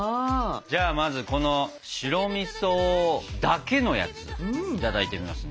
じゃあまずこの白みそだけのやついただいてみますね。